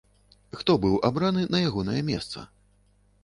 Хто быў абраны на ягонае месца?